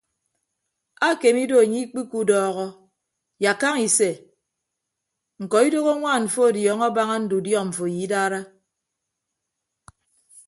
Akeme ido anye ikpiku udọọhọ yak kaña ise ñkọ idoho añwaan mfọ ọdiọñọ abaña ndudiọ mfo ye idara.